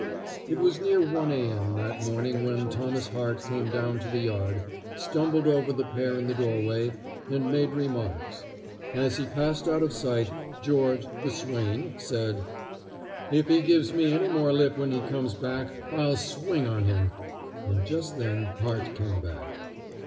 It was near 1 A. M. that morning when Thomas Hart came down to the yard, stumbled over the pair in the doorway, and made remarks. As he passed out of sight, George, the swain, said: "If he gives any more lip when he comes back, I'll swing on him." And just then Hart came back.